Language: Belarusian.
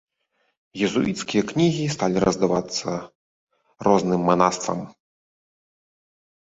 Езуіцкія кнігі сталі раздавацца розным манаства.